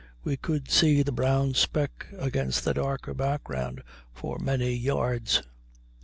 We could see the brown speck against the darker background for many yards.